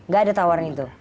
gak ada tawaran itu